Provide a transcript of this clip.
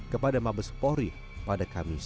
kepada mabes polri pada kamis